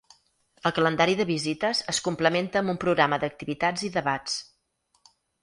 El calendari de visites es complementa amb un programa d’activitats i debats.